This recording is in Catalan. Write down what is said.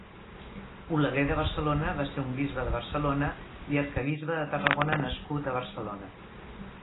Oleguer de Barcelona va ser un bisbe de Barcelona i arquebisbe de Tarragona nascut a Barcelona.